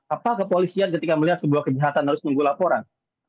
apa kepolisian ketika melihat sebuah kejahatan harus menunggu laporan